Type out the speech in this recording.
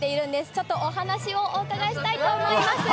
ちょっとお話をお伺いしたいと思います。